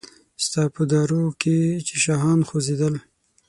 ستا په دارو کې چې شاهان خوځیدل